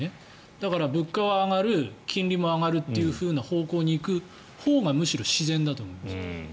だから物価は上がる金利も上がるという方向に行くほうがむしろ自然だと思います。